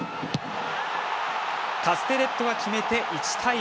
カステレットが決めて１対０。